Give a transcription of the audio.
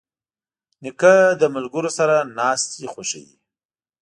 نیکه له ملګرو سره ناستې خوښوي.